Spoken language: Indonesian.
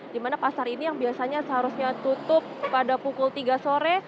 di mana pasar ini yang biasanya seharusnya tutup pada pukul tiga sore